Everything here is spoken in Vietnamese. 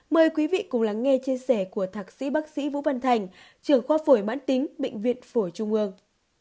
mời quý vị cùng lắng nghe chia sẻ của thạc sĩ bác sĩ vũ văn thành trưởng khoa phổi mãn tính bệnh viện phổi trung ương